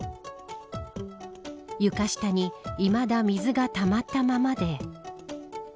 床下にいまだ水がたまったままで。